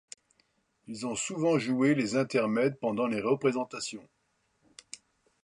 Ils ont souvent joué les intermèdes pendant les représentations.